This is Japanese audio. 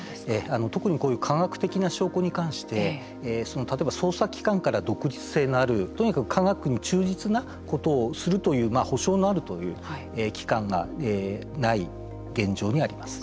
特に、こういう科学的な証拠に関して例えば、捜査機関から独立性のあるとにかく科学に忠実なことをするという保証のあるという機関がない現状にあります。